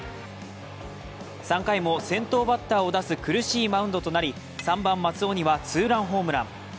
３回も先頭バッターを出す苦しいマウンドとなり３番・松尾にはツーランホームラン。